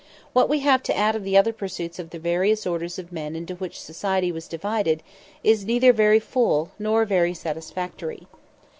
What we have to add of the other pursuits of the various orders of men into which society was divided, is neither very full nor very satisfactory.